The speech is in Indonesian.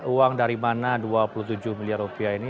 uang dari mana dua puluh tujuh miliar rupiah ini